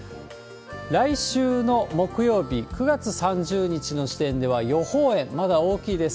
来週の木曜日、９月３０日の時点では予報円まだ大きいです。